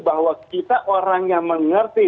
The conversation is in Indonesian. bahwa kita orang yang mengerti